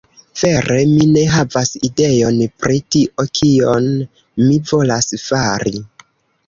Vere, mi ne havas ideon, pri tio, kion mi volas fari.